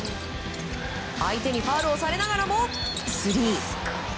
相手にファウルをされながらもスリー！